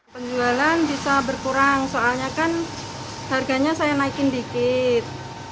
penjualan bisa berkurang soalnya kan harganya saya naikin dikit